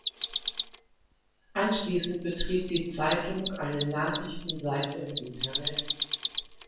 Anschließend betrieb die Zeitung eine Nachrichtenseite im Internet.